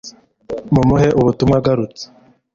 Mumuhe ubutumwa agarutse